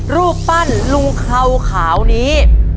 รูปปั้นลุงเคราขาวนี้